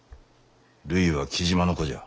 ・るいは雉真の子じゃ。